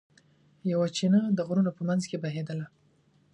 یوه چینه د غرونو په منځ کې بهېدله.